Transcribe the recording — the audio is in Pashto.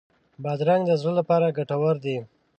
بادرنګ د زړه لپاره ګټور دی.